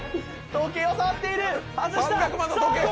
時計を触っている、外した！